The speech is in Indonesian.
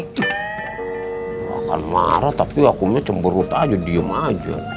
aku gak akan marah tapi aku cemberut aja diem aja